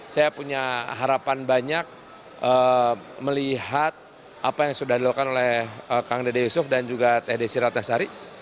saya punya harapan banyak melihat apa yang sudah dilakukan oleh kang dedy yusuf dan juga t d sirat nasari